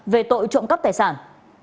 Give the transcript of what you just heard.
về tội trộm cấp tài sản